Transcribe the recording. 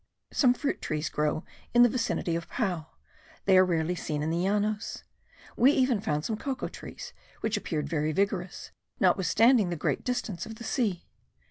Some fruit trees grow in the vicinity of Pao: they are rarely seen in the Llanos. We even found some cocoa trees, which appeared very vigorous, notwithstanding the great distance of the sea.